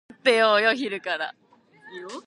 Page opted to return to Pittsburgh for his senior year.